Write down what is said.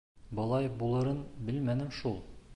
Былай булырын белмәнем шул.